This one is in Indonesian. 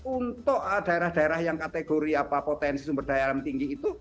untuk daerah daerah yang kategori potensi sumber daya alam tinggi itu